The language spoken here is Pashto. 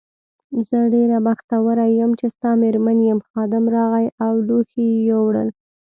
زه ډېره بختوره یم چې ستا مېرمن یم، خادم راغی او لوښي یې یووړل.